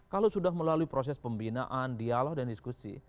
kalau sudah melalui proses pembinaan dialog dan diskusi